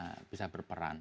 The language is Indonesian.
tapi indonesia bisa berperan